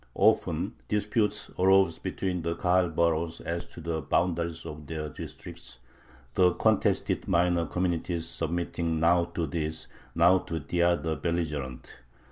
Often disputes arose between the Kahal boroughs as to the boundaries of their districts, the contested minor communities submitting now to this, now to the other, "belligerent."